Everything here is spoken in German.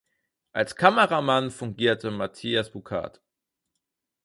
Als Kameramann fungierte Matias Boucard.